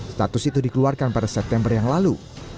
status itu dikeluarkan pada september yang lalu